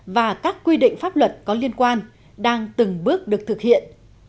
và các quy định pháp luật có liên quan đang từng bước được thực hiện